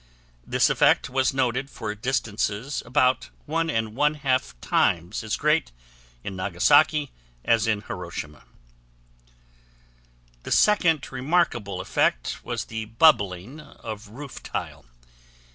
This effect was noted for distances about 1 1/2 times as great in Nagasaki as in Hiroshima. The second remarkable effect was the bubbling of roof tile.